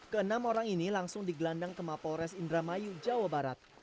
keenam orang ini langsung digelandang ke mapores indramayu jawa barat